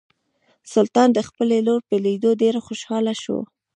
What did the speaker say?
سلطان د خپلې لور په لیدو ډیر خوشحاله شو.